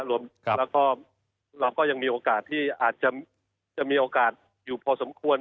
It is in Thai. แล้วก็เราก็ยังมีโอกาสที่อาจจะมีโอกาสอยู่พอสมควร